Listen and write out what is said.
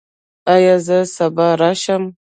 ایا زه سبا راشم؟